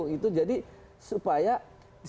itu jadi supaya setiap gedung itu